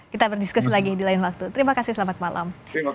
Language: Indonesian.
kita berdiskusi lagi di lain waktu terima kasih selamat malam